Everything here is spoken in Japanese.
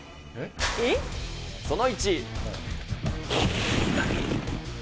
その１。